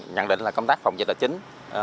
nhận định là công tác phòng dịch là chính